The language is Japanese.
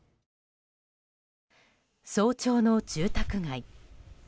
早朝の住宅街。